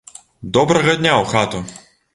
Добрага дня ў хату!